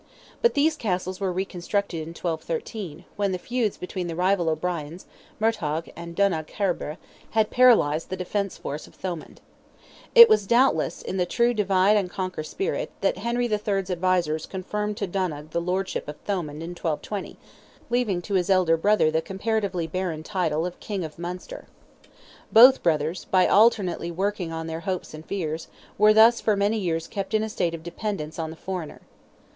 But these castles were reconstructed in 1213, when the feuds between the rival O'Briens—Murtogh and Donogh Cairbre—had paralyzed the defence force of Thomond. It was, doubtless, in the true divide and conquer spirit, that Henry the Third's advisers confirmed to Donogh the lordship of Thomond in 1220, leaving to his elder brother the comparatively barren title of King of Munster. Both brothers, by alternately working on their hopes and fears, were thus for many years kept in a state of dependence on the foreigner.